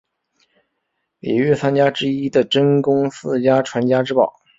里御三家之一的真宫寺家传家之宝。